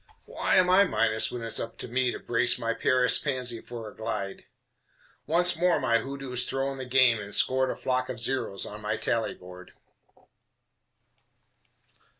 Why am I minus when it's up to me To brace my Paris Pansy for a glide? Once more my hoodoo's thrown the game and scored A flock of zeros on my tally board.